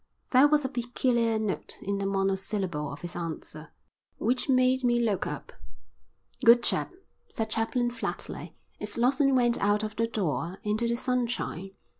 There was a peculiar note in the monosyllable of his answer which made me look up. "Good chap," said Chaplin flatly, as Lawson went out of the door into the sunshine.